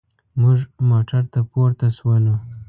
موږ موټر ته پورته شولو.